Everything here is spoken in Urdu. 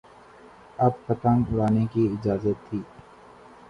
اب پتنگ اڑانے کی اجازت تھی۔